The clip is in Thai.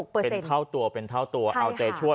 เป็นเท่าตัวเป็นเท่าตัวเอาใจช่วย